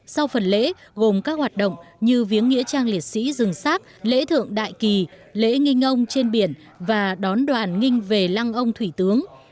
sau phần lễ gồm các hoạt động như viếng nghĩa trang liệt sĩ rừng sát lễ thượng đại kỳ lễ nghi ông trên biển và đón đoàn nghinh về lăng ông thủy tướng